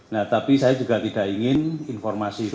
nah tapi saya juga tidak ingin informasi itu